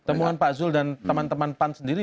temuan pak zul dan teman teman pan sendiri